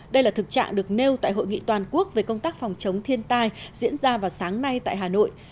đây là thực trạng được nêu tại hội nghị toàn quốc về công tác phòng chống thiên tai diễn ra vào sáng nay tại hà nội